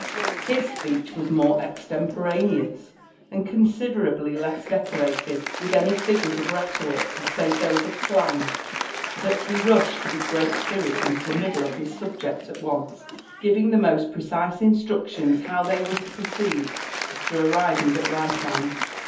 His speech was more exlemporancDus, and considerably less decorated with any figures of rheloric, save those of slang; but he rushi^d with great spirit into the middle of his subject at once, giving the most precise inslructions how they were lo proceed after arriving at Keichland.